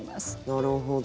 なるほど。